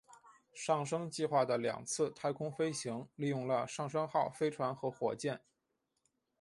上升计划的两次太空飞行利用了上升号飞船和火箭。